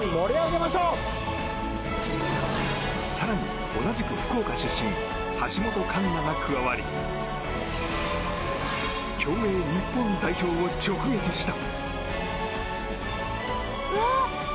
更に、同じく福岡出身橋本環奈が加わり競泳日本代表を直撃した！